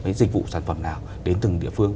với dịch vụ sản phẩm nào đến từng địa phương